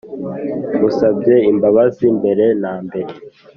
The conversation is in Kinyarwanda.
ngusabye imbabazi mbere nambere